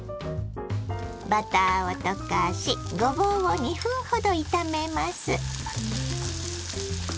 バターを溶かしごぼうを２分ほど炒めます。